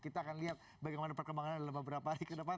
kita akan lihat bagaimana perkembangannya dalam beberapa hari kedepan